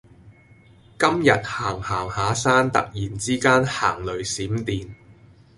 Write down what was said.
今日行行下山突然之間行雷閃電